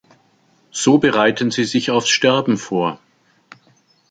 So bereiten sie sich aufs Sterben vor.